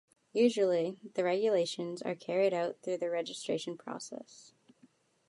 Usually, the regulations are carried out through the registration process.